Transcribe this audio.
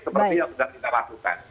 seperti yang sudah kita lakukan